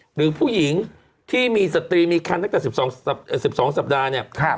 หรือผู้หญิงที่มีสตรีมีคันตั้งแต่๑๒สัปดาห์เนี่ย